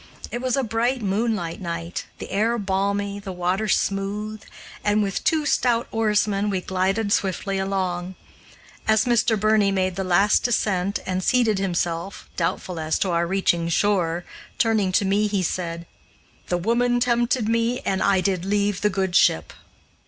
It was a bright moonlight night, the air balmy, the waters smooth, and, with two stout oarsmen, we glided swiftly along. As Mr. Birney made the last descent and seated himself, doubtful as to our reaching shore, turning to me he said: "The woman tempted me and I did leave the good ship."